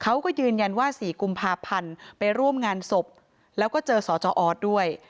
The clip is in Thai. เขาก็ยืนยันว่า๔กุมภาพันธ์ไปร่วมงานศพแล้วก็เจอสจออสด้วย